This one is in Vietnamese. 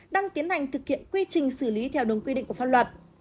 đang tiến hành thực hiện quy trình xử lý theo đúng quy định của pháp luật